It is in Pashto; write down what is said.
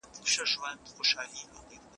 د بریا لپاره لوی بدلونونه اړین نه دي.